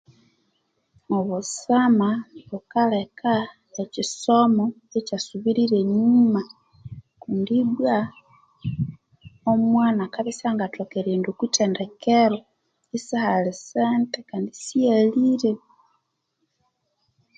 Obusama bukaleka ekyisomo ikyasubirira enyuma kundi ibwa omwana akabya isyangathoka erighenda okwi thendekero isihali sente kandi isyalire